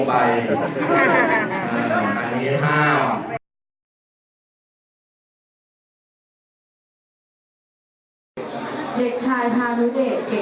สวัสดีครับ